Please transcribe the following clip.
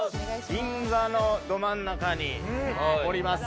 銀座のど真ん中におります。